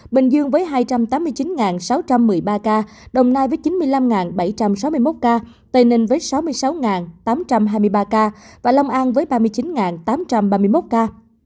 bình dương với hai trăm tám mươi chín sáu trăm một mươi ba ca đồng nai với chín mươi năm bảy trăm sáu mươi một ca tây ninh với sáu mươi sáu tám trăm hai mươi ba ca và long an với ba mươi chín tám trăm ba mươi một ca